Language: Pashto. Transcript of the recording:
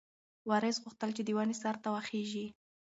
وارث غوښتل چې د ونې سر ته وخیژي.